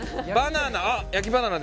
バナナ。